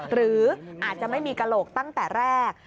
หรืออาจจะไม่มีกระโหลกตั้งแต่แรก